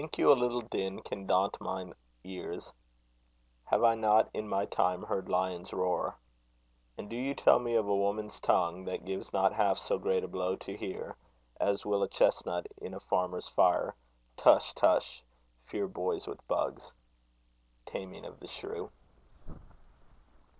Think you a little din can daunt mine ears? Have I not in my time heard lions roar? And do you tell me of a woman's tongue, That gives not half so great a blow to hear, As will a chestnut in a farmer's fire? Tush! tush! fear boys with bugs. Taming of the Shrew.